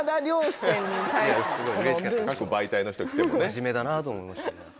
真面目だなと思いましたね。